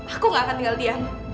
aku gak akan tinggal diam